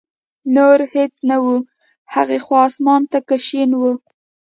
نور هېڅ نه و، هغې خوا اسمان تک شین و.